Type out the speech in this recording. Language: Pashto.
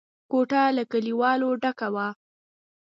کوټه له کليوالو ډکه وه.